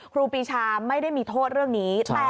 ครูปีชาไม่ได้มีโทษเรื่องนี้